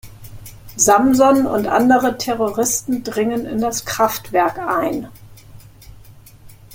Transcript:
Samson und andere Terroristen dringen in das Kraftwerk ein.